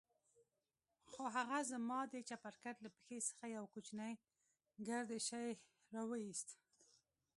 خو هغه زما د چپرکټ له پښې څخه يو کوچنى ګردى شى راوايست.